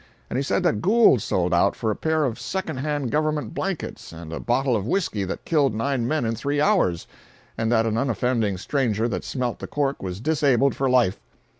And he said that Gould sold out for a pair of second hand government blankets and a bottle of whisky that killed nine men in three hours, and that an unoffending stranger that smelt the cork was disabled for life.